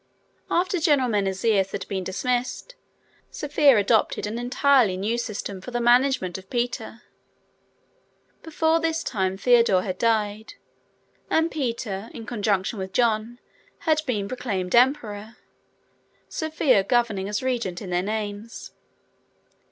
After General Menesius had been dismissed, Sophia adopted an entirely new system for the management of Peter. Before this time Theodore had died, and Peter, in conjunction with John, had been proclaimed emperor, Sophia governing as regent in their names.